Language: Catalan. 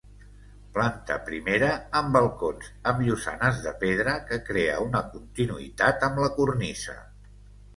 Planta primera amb balcons, amb llosanes de pedra, que crea una continuïtat amb la cornisa.